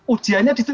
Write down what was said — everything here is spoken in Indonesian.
ujianya di situ